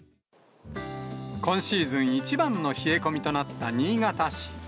今シーズン一番の冷え込みとなった新潟市。